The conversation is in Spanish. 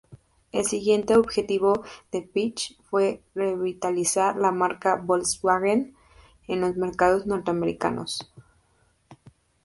El siguiente objetivo de Piëch fue revitalizar la marca Volkswagen en los mercados norteamericanos.